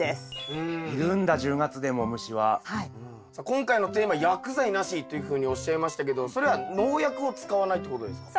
今回のテーマ「薬剤なし」っていうふうにおっしゃいましたけどそれは農薬を使わないってことですか？